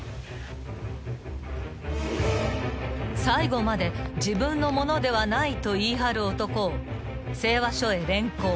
［最後まで自分のものではないと言い張る男を西和署へ連行］